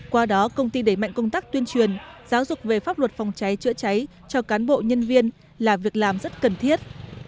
qua đó công ty đẩy mạnh công tác tuyên truyền giáo dục về pháp luật phòng cháy chữa cháy cho cán bộ nhân viên là việc làm rất cần thiết